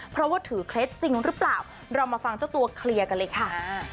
เพราะว่าถือเคล็ดจริงหรือเปล่าเรามาฟังเจ้าตัวเคลียร์กันเลยค่ะ